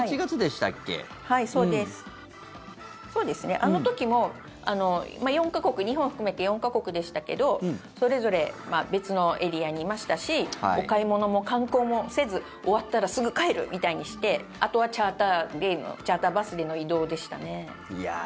あの時も日本を含めて４か国でしたけどそれぞれ別のエリアにいましたしお買い物も観光もせず終わったらすぐ帰るみたいにしてあとはチャーター便チャーターバスでの移動でした。